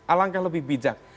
alangkah lebih bijak